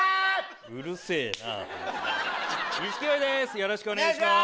よろしくお願いします。